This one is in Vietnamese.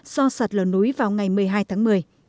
do sạt lở núi vào ngày một mươi hai tháng một mươi